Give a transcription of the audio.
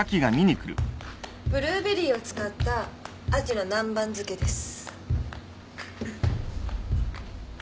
ブルーベリーを使ったアジの南蛮漬けです。